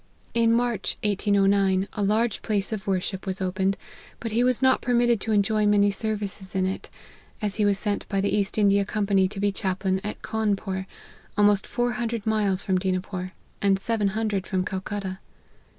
In March LIFE OF HENRY MARTYN. 123 1809, a large place of worship was opened, but he was not permitted to enjoy many services in it, as he was sent by the East India Company to be chaplain at Cawnpore, almost four hundred miles from Dinapore, and seven hundred from Calcutta.